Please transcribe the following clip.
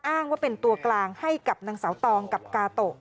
อ้างว่าเป็นตัวกลางให้กับนางสาวตองกับกาโตะ